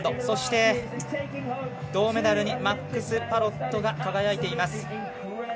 そして、銅メダルにマックス・パロットが輝いています。